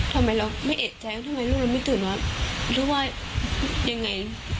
ทำไมเราไม่เอกใจว่าทำไมลูกเราไม่ตื่นมาหรือว่ายังไง